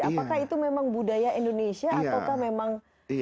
apakah itu memang budaya indonesia atau memang